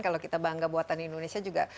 kalau kita bangga buatan indonesia juga